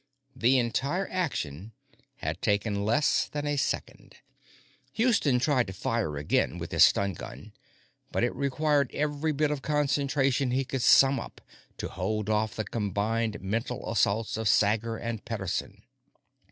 The entire action had taken less than a second. Houston tried to fire again with his stun gun, but it required every bit of concentration he could sum up to hold off the combined mental assaults of Sager and Pederson.